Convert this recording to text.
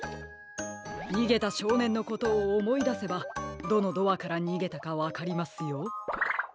にげたしょうねんのことをおもいだせばどのドアからにげたかわかりますよ。